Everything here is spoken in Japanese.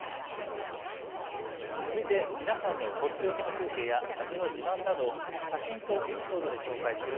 続いて皆さんのとっておきの風景や街の自慢などを写真とエピソードで紹介する＃